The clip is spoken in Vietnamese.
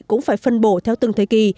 cũng phải phân bổ theo từng thời kỳ